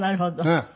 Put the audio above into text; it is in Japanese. ええ。